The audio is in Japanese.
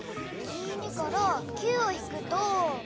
１２から９をひくと。